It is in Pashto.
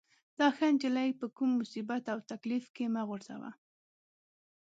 دا ښه نجلۍ په کوم مصیبت او تکلیف کې مه غورځوه.